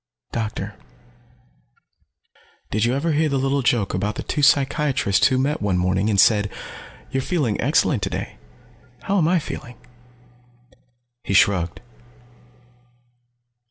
"Doctor. Did you ever hear the little joke about the two psychiatrists who met one morning and one said, 'You're feeling excellent today. How am I feeling?'" He shrugged.